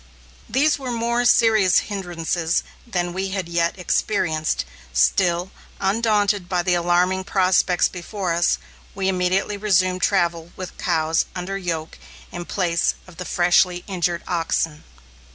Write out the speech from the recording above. These were more serious hindrances than we had yet experienced. Still, undaunted by the alarming prospects before us, we immediately resumed travel with cows under yoke in place of the freshly injured oxen.